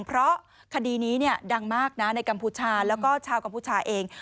เพราะคดีนี้ดังมากนะในกัมพูชาแล้วก็ชาวกัมพูชาเอง